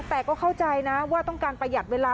แต่ก็เข้าใจนะว่าต้องการประหยัดเวลา